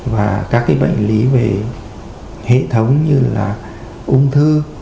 và các cái bệnh lý về hệ thống như là ung thư